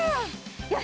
よし！